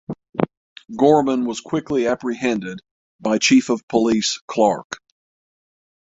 Gorman was quickly apprehended by Chief of Police Clark.